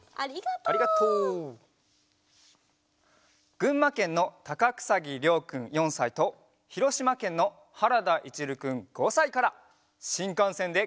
ぐんまけんのたかくさぎりょうくん４さいとひろしまけんのはらだいちるくん５さいから「新幹線でゴー！